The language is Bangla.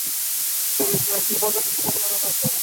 প্যারিসে একটি প্রযুক্তি সম্মেলন আছে।